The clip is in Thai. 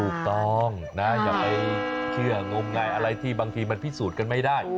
ถูกต้องนะอย่าไปเชื่องมงายอะไรที่บางทีมันพิสูจน์กันไม่ได้